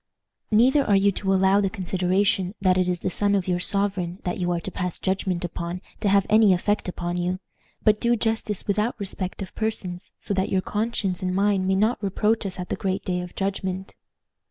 "Neither are you to allow the consideration that it is the son of your sovereign that you are to pass judgment upon to have any effect upon you. But do justice without respect of persons, so that your conscience and mine may not reproach us at the great day of judgment."